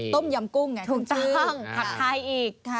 ต้มยำกุ้งไงถูกต้องผัดไทยอีก